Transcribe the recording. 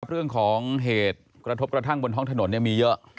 เรื่องของเหตุกระทบกระทั่งบนท้องถนนมีเยอะ